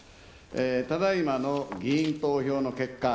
ただいまの議員投票の結果